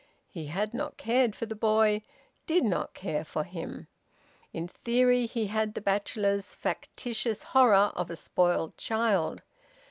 He had not cared for the boy, did not care for him. In theory he had the bachelor's factitious horror of a spoiled child.